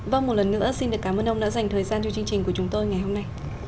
vâng một lần nữa xin được cảm ơn ông đã dành thời gian cho chương trình của chúng tôi ngày hôm nay